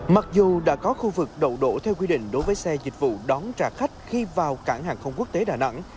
mặc dù đã có khu vực đậu đổ theo quy định đối với xe dịch vụ đón trả khách khi vào cảng hàng không quốc tế đà nẵng